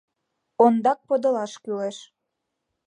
Ондак подылаш кӱлеш.